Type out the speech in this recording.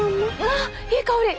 わあいい香り！